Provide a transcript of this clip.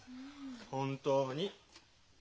本当に。